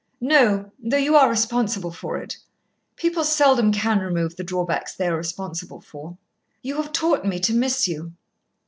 "No, though you are responsible for it. People seldom can remove the drawbacks they are responsible for. You have taught me to miss you."